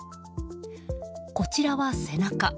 こちらは背中。